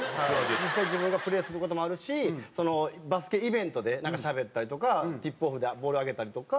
実際自分がプレーする事もあるしバスケイベントでなんかしゃべったりとかティップオフでボール上げたりとか。